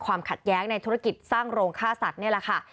ความขัดแย้งในธุรกิจสร้างโรงฆ่าสัตว์นี่แหละค่ะ